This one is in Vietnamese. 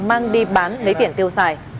mang đi bán lấy tiền tiêu xài